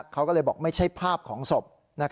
เขาก็เลยบอกไม่ใช่ภาพของศพ